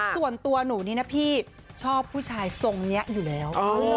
ส่วนตัวหนูนี่นะพี่ชอบผู้ชายทรงนี้อยู่แล้ว